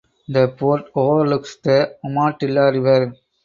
The Fort overlooks the Umatilla River.